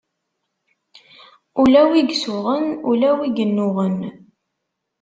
Ula wi isuɣen, ula wi innuɣen.